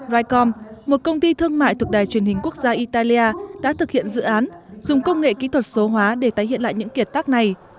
rycom một công ty thương mại thuộc đài truyền hình quốc gia italia đã thực hiện dự án dùng công nghệ kỹ thuật số hóa để tái hiện lại những kiệt tác này